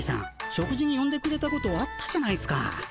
食事によんでくれたことあったじゃないっすか。